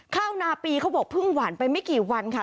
ข้าวนาปีเขาบอกเพิ่งหวานไปไม่กี่วันค่ะ